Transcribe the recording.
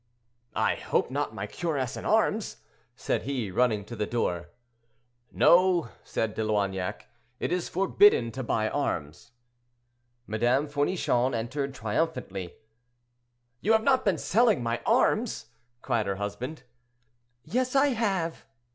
"I hope not my cuirass and arms," said he, running to the door. "No," said De Loignac, "it is forbidden to buy arms." Madame Fournichon entered triumphantly. "You have not been selling my arms?" cried her husband. "Yes, I have."